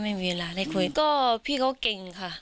ไม่มีเวลาได้คุยก็พี่เขาเก่งค่ะ